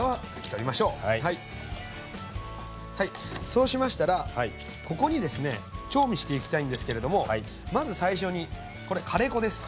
そうしましたらここにですね調味していきたいんですけれどもまず最初にこれカレー粉です。